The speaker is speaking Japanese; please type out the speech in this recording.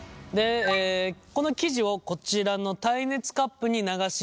この生地をこちらの耐熱カップに流し入れていきます。